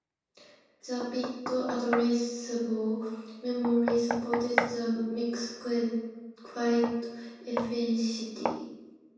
The bit addressable memory supported the mix quite efficiently.